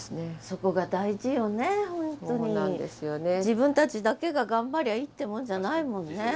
自分たちだけが頑張りゃいいってもんじゃないもんね。